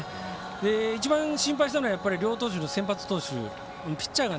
一番、心配したのは両投手の先発投手。